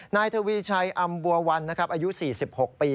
นายเถวีชัยอำบัววัลอายุ๔๖ปี